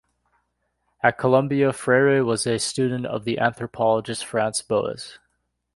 At Columbia Freyre was a student of the anthropologist Franz Boas.